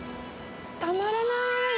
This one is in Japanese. たまらない！